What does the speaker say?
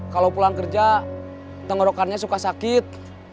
kalau pulang kerja tenggorokannya suka sakit